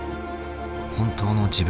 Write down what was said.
「本当の自分」？